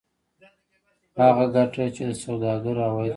هغه ګټه چې د سوداګر عواید کېږي